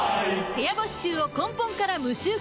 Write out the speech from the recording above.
部屋干し臭を根本から無臭化